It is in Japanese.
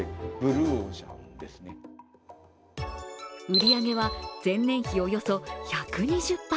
売り上げは前年比およそ１２０％。